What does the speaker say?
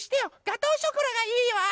ガトーショコラがいいわ。